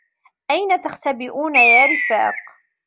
أين تختبؤون يا رفاق؟